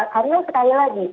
karena sekali lagi